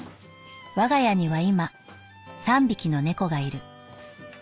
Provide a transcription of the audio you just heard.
「我家には今三匹の猫がいる。